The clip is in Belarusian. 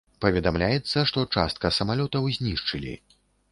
Паведамляецца што частка самалётаў знішчылі.